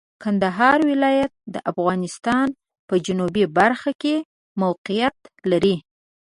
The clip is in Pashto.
کندهار ولایت د افغانستان په جنوبي برخه کې موقعیت لري.